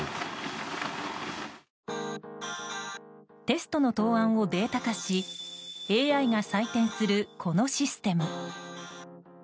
テストの答案をデータ化しＡＩが採点する、このシステム。